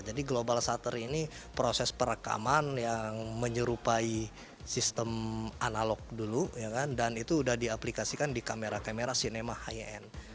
jadi global shutter ini proses perekaman yang menyerupai sistem analog dulu dan itu sudah diaplikasikan di kamera kamera cinema high end